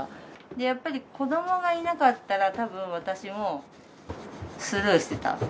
やっぱり子どもがいなかったら、たぶん、私もスルーしてた。